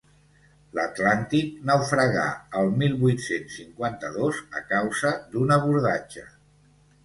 L'«Atlàntic» naufragà el mil vuit-cents cinquanta-dos a causa d'un abordatge.